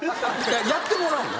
やってもらうの？